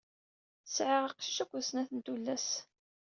Sɛiq aqcic akked snat tullas.